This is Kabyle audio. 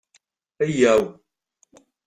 Yyaw!